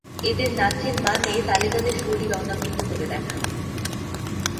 এদের নাচের মানে, তালে তালে শরীর অনাবৃত করে দেখানো।